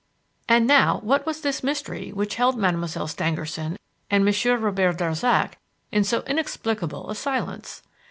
And now, what was this mystery which held Mademoiselle Stangerson and Monsieur Robert Darzac in so inexplicable a silence?